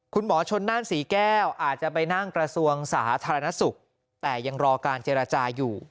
คุณหมอชนนั่นศรีแก้วอาจจะไปนั่งกระทรวงสาธารณสุขแต่ยังรอการเจรจาอยู่